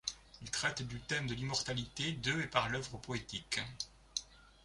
Il traite du thème de l'immortalité de et par l'œuvre poétique.